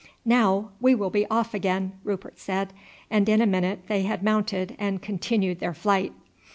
"Now we will be off again," Rupert said, and in a minute they had mounted and continued their flight.